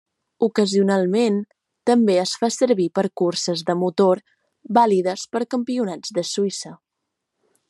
Ocasionalment també es fa servir per curses de motor vàlides per campionats de Suïssa.